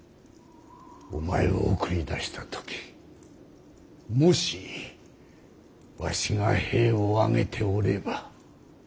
お前を送り出した時もしわしが兵を挙げておれば。